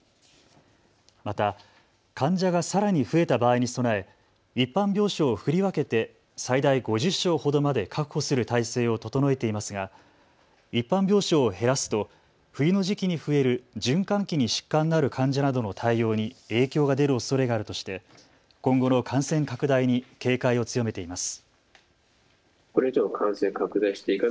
また患者がさらに増えた場合に備え、一般病床を振り分けて最大５０床ほどまで確保する体制を整えていますが一般病床を減らすと冬の時期に増える循環器に疾患がある患者などの対応に影響が出るおそれがあるとして今後の感染拡大に警戒を強めています。